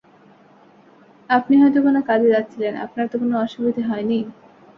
আপনি হয়তো কোনো কাজে যাচ্ছিলেন– আপনার তো কোনো অসুবিধে হয় নি?